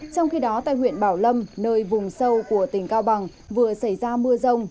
trong khi đó tại huyện bảo lâm nơi vùng sâu của tỉnh cao bằng vừa xảy ra mưa rông